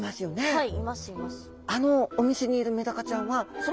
はい！